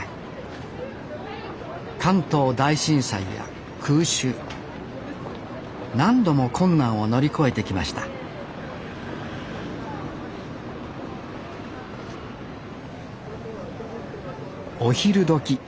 関東大震災や空襲何度も困難を乗り越えてきましたお昼どき